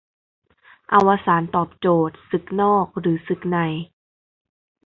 อวสานตอบโจทย์ ศึกนอก หรือศึกใน